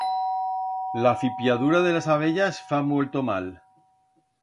La fiplladura de las abellas fa molto mal.